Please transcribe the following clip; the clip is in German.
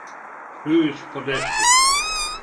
Höchst verdächtig!